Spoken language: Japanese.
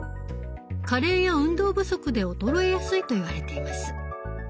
加齢や運動不足で衰えやすいといわれています。